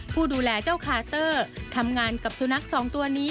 ผู้ดูแลเจ้าคาเตอร์ทำงานกับสุนัขสองตัวนี้